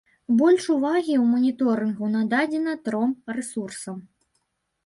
Больш увагі ў маніторынгу нададзена тром рэсурсам.